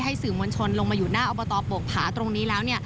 สื่อมวลชนลงมาอยู่หน้าอบตโปกผาตรงนี้แล้ว